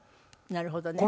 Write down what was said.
なるほどね。